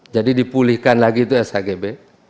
jadi dipulihkan lagi itu shgb